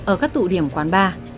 ở các tụ điểm quán bà